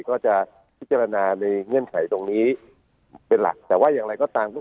ก็จะพิจารณาในเงื่อนไขตรงนี้เป็นหลักแต่ว่าอย่างไรก็ตามทุก